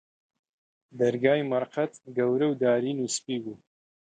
دەرگای مەرقەد، گەورە و دارین و سپی بوو